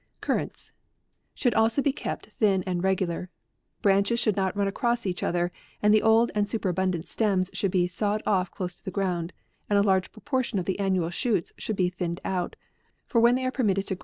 CURRANTS, Should also be kept thin and regular. The branches should not run across each other, and the old and superabundant stems should be sawed off close to the ground, and a large, proportion of the annual shoots should be thinned out : for when they are permitted tf> APRIL.